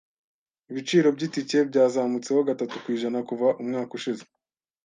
Ibiciro byitike byazamutseho gatatu ku ijana kuva umwaka ushize.